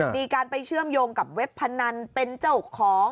มีการไปเชื่อมโยงกับเว็บพนันเป็นเจ้าของ